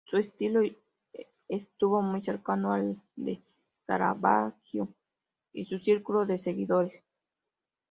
Su estilo estuvo muy cercano al de Caravaggio y su círculo de seguidores.